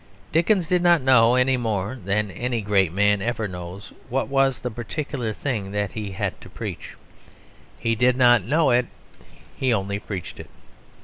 Dickens did not know, anymore than any great man ever knows, what was the particular thing that he had to preach. He did not know it; he only preached it.